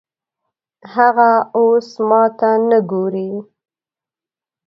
هغه اوس ماته نه ګوري